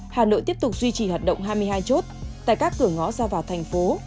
hà nội tiếp tục duy trì hoạt động hai mươi hai chốt tại các cửa ngõ ra vào thành phố